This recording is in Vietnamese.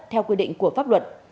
theo quy định của pháp luật